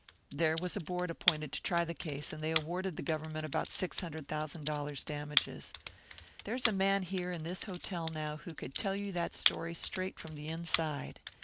"There was a Board appointed to try the case, and they awarded the Government about six hundred thousand dollars' damages. There's a man here in this hotel now who could tell you that story straight from the inside."